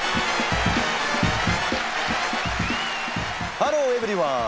ハローエブリワン！